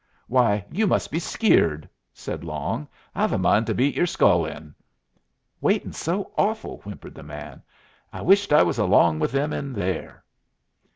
"Why, you must be skeered," said Long. "I've a mind to beat yer skull in." "Waitin's so awful," whimpered the man. "I wisht I was along with them in there."